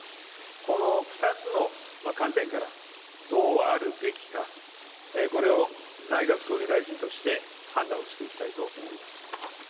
この２つの観点から、どうあるべきか、これを内閣総理大臣として判断をしていきたいと思います。